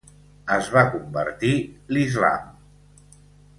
Es va convertir l'Islam.